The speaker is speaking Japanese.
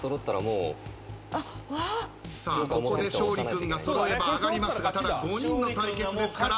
さあここで勝利君が揃えば上がりますがただ５人の対決ですから。